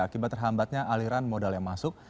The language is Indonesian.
akibat terhambatnya aliran modal yang masuk